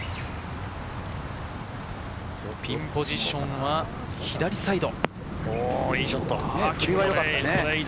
ピンポジションは左サイド。